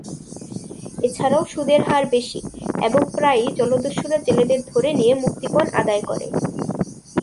এছাড়াও সুদের হার বেশি এবং প্রায়ই জলদস্যুরা জেলেদের ধরে নিয়ে মুক্তিপণ আদায় করে।